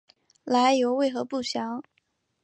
来由为何不详。